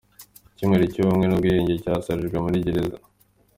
Icyumweru cy’ubumwe n’ubwiyunge cyasorejwe muri Gereza